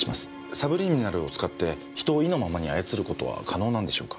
サブリミナルを使って人を意のままに操ることは可能なんでしょうか？